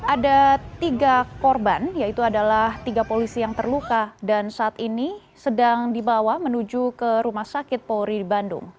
ada tiga korban yaitu adalah tiga polisi yang terluka dan saat ini sedang dibawa menuju ke rumah sakit polri di bandung